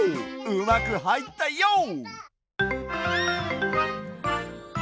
うまくはいったＹＯ！